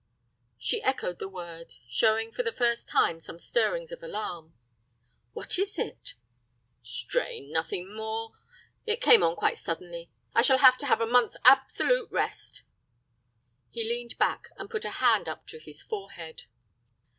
She echoed the word, showing for the first time some stirrings of alarm. "What is it?" "Strain, nothing more. It came on quite suddenly. I shall have to have a month's absolute rest." He leaned back, and put a hand up to his forehead.